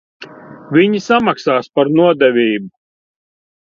Viņi samaksās par nodevību.